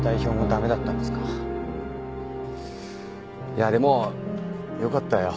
いやでもよかったよ。